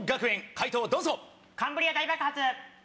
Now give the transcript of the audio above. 解答をどうぞ！